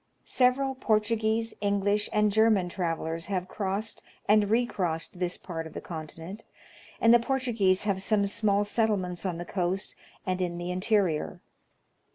Several Portu guese, English, and German travelers have crossed and recrossed this part of the continent, and the Portuguese have some small settlements on the coast and in the interior.